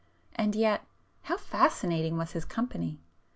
And yet,—how fascinating was his company!